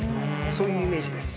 そういうイメージです。